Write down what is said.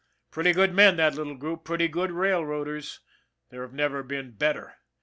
Pretty good men that little group, pretty good railroaders there have never been better.